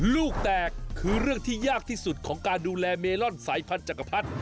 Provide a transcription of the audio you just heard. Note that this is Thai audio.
ลูกแตกคือเรื่องที่ยากที่สุดของการดูแลเมลอนสายพันธจักรพรรดิ